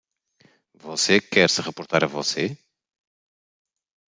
Você quer se reportar a você?